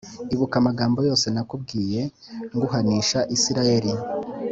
Ibuka amagambo yose nakubwiye nguhanisha Isirayeli